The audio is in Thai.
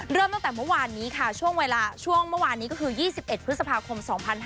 เริ่มตั้งแต่เมื่อวานนี้ค่ะช่วงเวลาช่วงเมื่อวานนี้ก็คือ๒๑พฤษภาคม๒๕๕๙